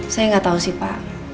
saya nggak tahu sih pak